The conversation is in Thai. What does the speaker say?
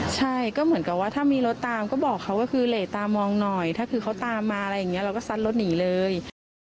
ใช่ก็เหมือนกับว่าถ้ามีรถตามก็บอกเขาก็คือเหลตามองหน่อยถ้าคือเขาตามมาอะไรอย่างนี้เราก็ซัดรถหนีเลย